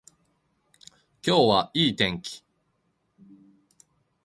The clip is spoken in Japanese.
今日はいい天気